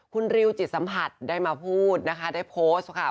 คุณริวจิตสัมผัสได้มาพูดนะคะได้โพสต์ค่ะ